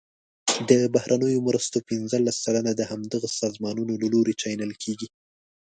د بهرنیو مرستو پنځلس سلنه د همدغه سازمانونو له لوري چینل کیږي.